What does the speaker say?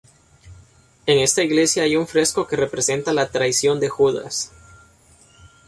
En esta iglesia hay un fresco que representa la traición de Judas.